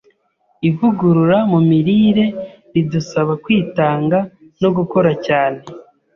Ivugurura mu mirire ridusaba kwitanga no gukora cyane